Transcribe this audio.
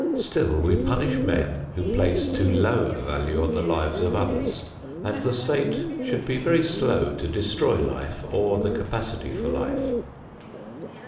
Still we punish men who place too low a value on the lives of others, and the state should be very slow to destroy life or the capacity for life.